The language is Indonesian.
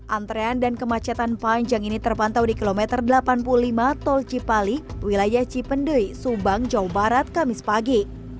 antrean dan kemacetan panjang ini terpantau di kilometer delapan puluh lima tol cipali wilayah cipendui subang jawa barat kamis pagi